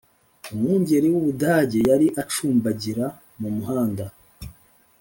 umwungeri w’ubudage yari acumbagira mu muhanda.